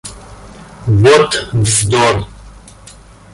Вот вздор!